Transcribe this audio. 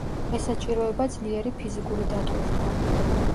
ესაჭიროება ძლიერი ფიზიკური დატვირთვა.